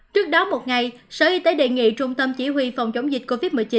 trước đó một ngày sở y tế đề nghị trung tâm chỉ huy phòng chống dịch covid một mươi chín